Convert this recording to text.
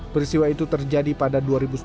persiwa itu terjadi pada dua ribu sembilan belas